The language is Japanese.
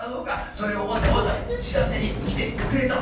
それをわざわざ知らせに来てくれたの？」。